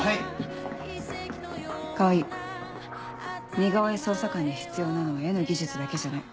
似顔絵捜査官に必要なのは絵の技術だけじゃない。